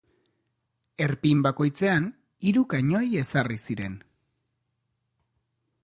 Erpin bakoitzean hiru kainoi ezarri ziren.